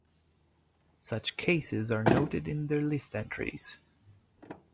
Such cases are noted in their list entries.